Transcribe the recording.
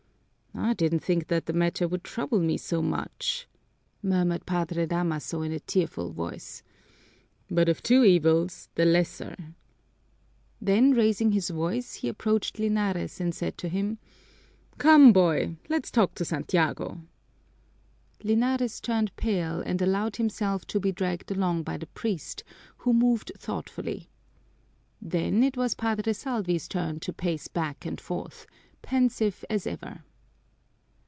"I didn't think that the matter would trouble me so much," murmured Padre Damaso in a tearful voice. "But of two evils, the lesser!" Then raising his voice he approached Linares and said to him, "Come, boy, let's talk to Santiago." Linares turned pale and allowed himself to be dragged along by the priest, who moved thoughtfully. Then it was Padre Salvi's turn to pace back and forth, pensive as ever.